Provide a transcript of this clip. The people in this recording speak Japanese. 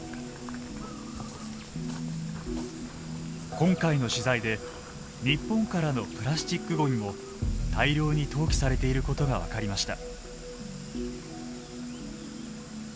今回の取材で日本からのプラスチックごみも大量に投棄されていることが分かりました。